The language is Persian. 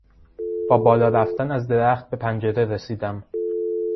با بالا رفتن از درخت به پنجره رسیدم.